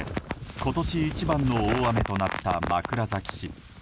今年一番の大雨となった枕崎市。